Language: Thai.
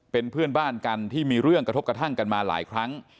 เป็นเพื่อนบ้านกันที่มีเรื่องกระทบกระทั่งกันมาหลายครั้ง